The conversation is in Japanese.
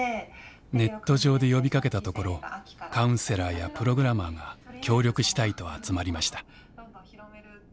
ネット上で呼びかけたところカウンセラーやプログラマーが協力したいと集まりました。